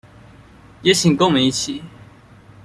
也請跟我們一起